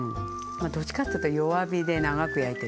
まあどっちかっていうと弱火で長く焼いてる。